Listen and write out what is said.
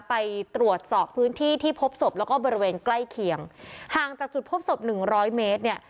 ไปตรวจสอบพื้นที่ที่พบศพแล้วก็บริเวณใกล้เคียงห่างจากจุดพบศพหนึ่งร้อยเมตรเนี่ย